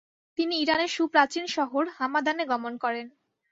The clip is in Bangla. তিনি ইরানের সুপ্রাচীন শহর হামাদানে গমন করেন।